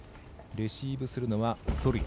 レシーブするのはソルヤ。